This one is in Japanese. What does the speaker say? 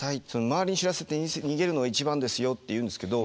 周りに知らせて逃げるのが一番ですよ」って言うんですけど